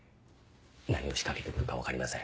何を仕掛けてくるか分かりません。